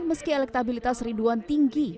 meski elektabilitas ridwan tinggi